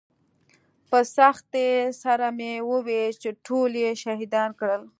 په سختۍ سره مې وويل ټول يې شهيدان کړل.